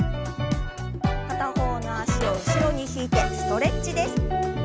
片方の脚を後ろに引いてストレッチです。